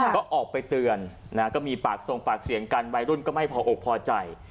ก็ออกไปเตือนก็มีปากทรงปากเสียงกันวัยรุ่นก็ไม่พออกพอใจ